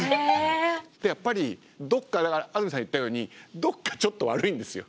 やっぱりどこかだから安住さん言ったようにどこかちょっと悪いんですよ。